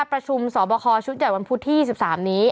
ประชุมสอบคอชุดใหญ่วันพุธที่๒๓นี้